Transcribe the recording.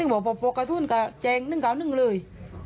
ก็ก็ปกรรสกระสุนแจงแรงนึงกำหนึ่งเลย